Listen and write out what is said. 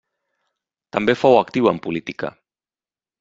També fou actiu en política.